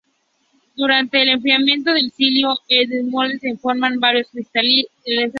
Durante el enfriamiento del silicio en un molde, se forman varios cristales.